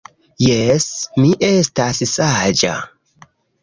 Jes, mi estas saĝa